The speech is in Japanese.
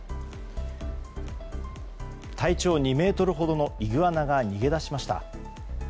体長２ｍほどのイグアナが逃げ出しました。